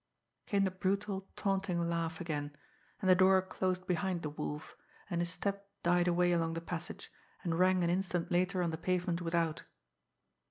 Came the brutal, taunting laugh again, and the door closed behind the Wolf, and his step died away along the passage, and rang an instant later on the pavement without.